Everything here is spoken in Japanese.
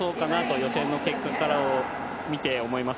予選の結果から見て思います。